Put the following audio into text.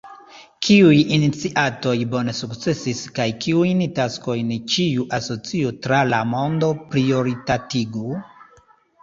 Kiuj iniciatoj bone sukcesis kaj kiujn taskojn ĉiu asocio tra la mondo prioritatigu?